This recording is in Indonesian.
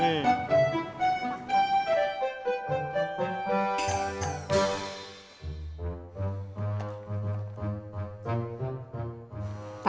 dia relatih kita